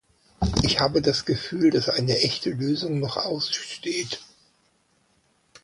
Ich habe das Gefühl, dass eine echte Lösung noch aussteht.